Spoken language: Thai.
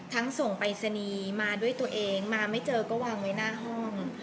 ทั้งส่งไปสนีมาด้วยตัวเองมาไม่เจอก็วางไว้หน้าห้อง